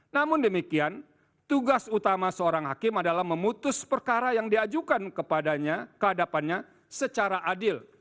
namun demikian tugas utama seorang hakim adalah memutus perkara yang diajukan kepadanya kehadapannya secara adil